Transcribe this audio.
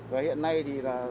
và hiện nay thì là